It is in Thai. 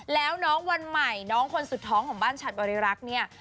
แล้วน้องวันใหม่น้องคนสุดท้องของบ้านฉัดบริรักษ์เนี่ย